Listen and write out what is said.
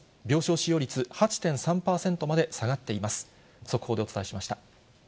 病床使用率８．３％まで下がっています。